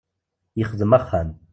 Yexdem axxam.